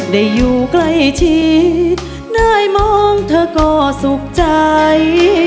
ได้อยู่ใกล้ชิดได้มองเธอก็สุขใจ